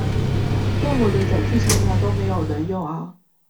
但我的載具常常都沒人用啊！